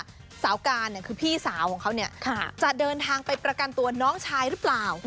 ว่าสาวการคือพี่สาวของเขาจะเดินทางไปประกันตัวน้องชายหรือเปล่า